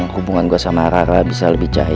hubungan gue sama rara bisa lebih cair